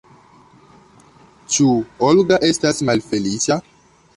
Ĉu Olga estas malfeliĉa?